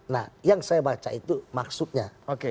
nah yang saya baca itu maksudnya